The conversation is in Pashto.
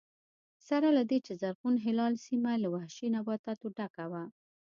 سره له دې چې زرغون هلال سیمه له وحشي نباتاتو ډکه وه